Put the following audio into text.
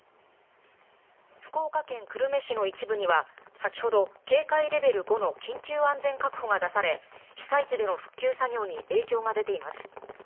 福岡県久留米市の一部には先ほど警戒レベル５の緊急安全確保が出され被災地での復旧作業に影響が出ています。